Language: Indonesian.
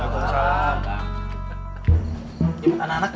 nyebut anak anak yuk